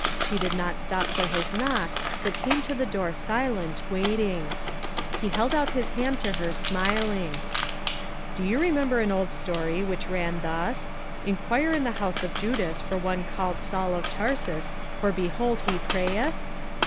She did not stop for his knock, but came to the door silent, waiting. He held out his hand to her smiling. A NIGHT TO REMEMBER. $13 "Do you remember an old story which ran thus, 'Inquire in the house of Judas for one called Saul of Tarsus, for behold he prayeth?'